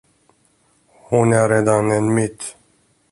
Hon är redan en myt.